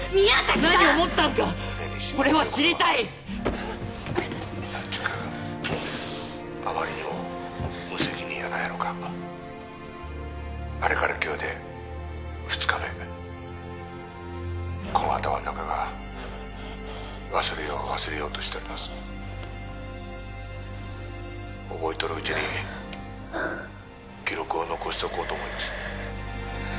胸にしまっておくのは何ちゅうかあまりにも無責任やないのかあれから今日で２日目この頭の中が忘れよう忘れようとしとります覚えとるうちに記録を残しとこうと思います